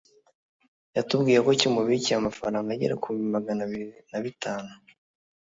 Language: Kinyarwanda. yatubwiye ko kimubikiye amafaranga agera ku bihumbi Magana abiri na bitanu